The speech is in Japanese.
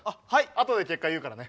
あとで結果言うからね。